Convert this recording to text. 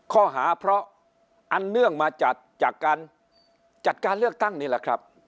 ข้อหาเพราะอันเนื่องมาจากการจัดการเลือกตั้งนี่แหละครับ